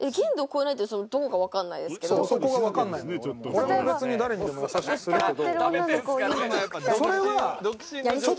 俺も別に誰にでも優しくするけど。